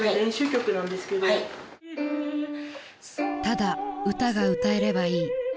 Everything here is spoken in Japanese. ［ただ歌が歌えればいい］